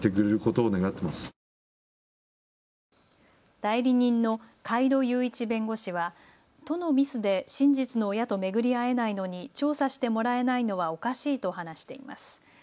代理人の海渡雄一弁護士は都のミスで真実の親と巡り会えないのに調査してもらえないのはおかしいと話しています。